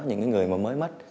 những người mới mất